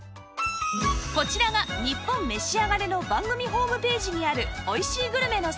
こちらが『ニッポンめしあがれ』の番組ホームページにある「おいしいグルメ」のサイト